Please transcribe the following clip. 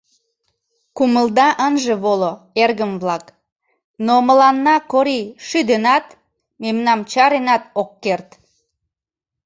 Кумылда ынже воло, эргым-влак, но мыланна Корий шӱденат, мемнам чаренат ок керт.